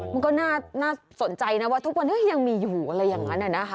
มันก็น่าสนใจนะว่าทุกวันนี้ยังมีอยู่อะไรอย่างนั้นนะคะ